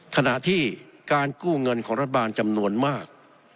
ขณะที่การกู้เงินของรัฐบาลจำนวนมาก